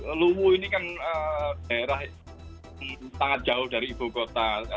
kasus di luwuh ini kan daerah sangat jauh dari ibukota